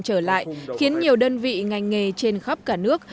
trở lại khiến nhiều đơn vị ngành nghề trên khắp cả nước